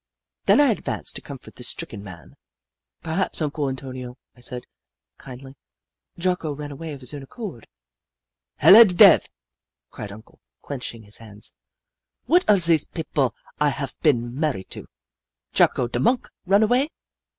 Then I advanced to comfort the stricken man. " Perhaps, Uncle Antonio," I said, kindly, " Jocko ran away of his own accord." " Hella da dev !" cried Uncle, clenching his hands. " What are zees pipple I haf been mar ried to ! Jocko, da monk, run away